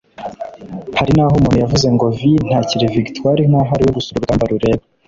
Hari naho umuntu yavuze ngo “V” ntakiri victoire nkaho ariwe gusa uru rugamba rureba